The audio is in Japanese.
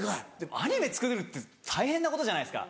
アニメ作るって大変なことじゃないですか。